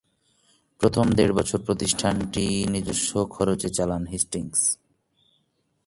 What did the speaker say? প্রথম দেড় বছর প্রতিষ্ঠানটি নিজস্ব খরচে চালান হেস্টিংস।